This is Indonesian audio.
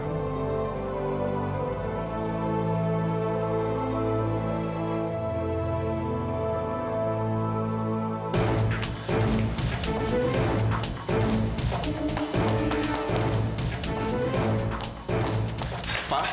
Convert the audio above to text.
ibu mau rempah rempah